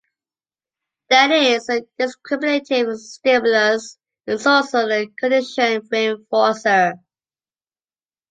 That is, a discriminative stimulus is also a "conditioned reinforcer".